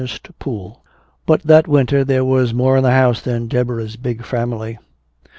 CHAPTER XVI But that winter there was more in the house than Deborah's big family.